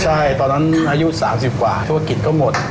ใช่ตอนนั้นอายุ๓๐กว่าธุรกิจก็หมด